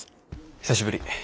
久しぶり。